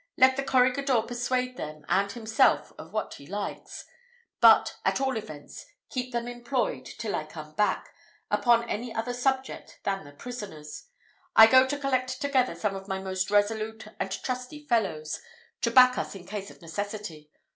Let the corregidor persuade them and himself of what he likes but, at all events, keep them employed till I come back, upon any other subject than the prisoners. I go to collect together some of my most resolute and trusty fellows, to back us in case of necessity.